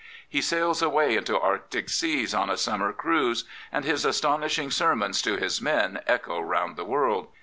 He sails away into Arctic seas on a summer cruise, and his astonishing sermons to his men echo round the world.